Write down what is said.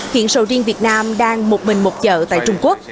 hiện sầu riêng việt nam đang một mình một chợ tại trung quốc